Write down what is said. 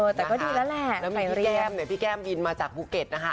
แต่ก็ดีแล้วแหละแล้วมีพี่แก้มเนี่ยพี่แก้มบินมาจากภูเก็ตนะคะ